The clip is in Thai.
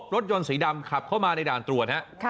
รถยนต์สีดำขับเข้ามาในด่านตรวจฮะ